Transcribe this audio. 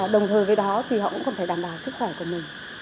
đồng thời với đó thì họ cũng không thể đảm bảo sức khỏe của mình